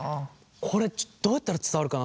これどうやったら伝わるかな。